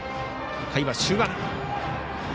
回は終盤。